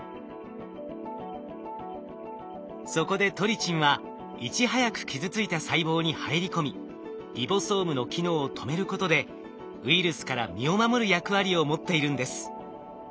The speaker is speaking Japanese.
そこでトリチンはいち早く傷ついた細胞に入り込みリボソームの機能を止めることでウイルスから身を守る役割を持っているんです。